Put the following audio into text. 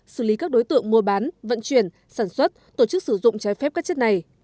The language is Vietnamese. xử lý các đối tượng mua bán vận chuyển sản xuất tổ chức sử dụng trái phép các chất này